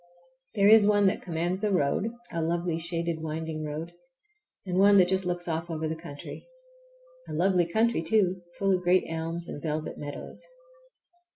There is one that commands the road, a lovely, shaded, winding road, and one that just looks off over the country. A lovely country, too, full of great elms and velvet meadows.